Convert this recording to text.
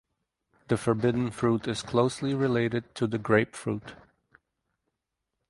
The forbidden fruit is closely related to the grapefruit.